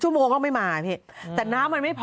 ชั่วโมงเองก็ไม่มาแต่น้ำมันไม่พอ